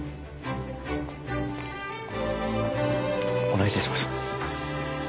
お願いいたします。